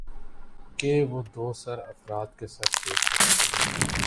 کہہ وہ دوسر افراد کے ثر دیکھ سکہ